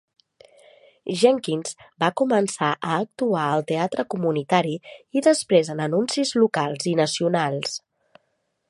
Jenkins va començar a actuar al teatre comunitari i després en anuncis locals i nacionals.